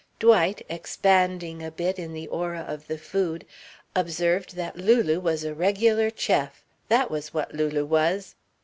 Dwight, expanding a bit in the aura of the food, observed that Lulu was a regular chef, that was what Lulu was.